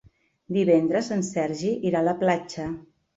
Divendres en Sergi irà a la platja.